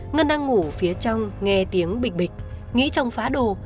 ngân đang ngủ phía trong nghe tiếng bịch bịch nghĩ trong phá đồ